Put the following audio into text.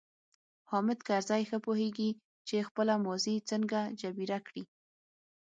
حامد کرزی ښه پوهیږي چې خپله ماضي څنګه جبیره کړي.